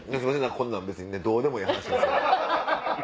こんなん別にどうでもええ話ですね。